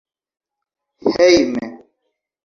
hejme